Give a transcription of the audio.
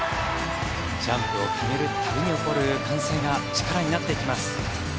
ジャンプを決める度に起こる歓声が力になってきます。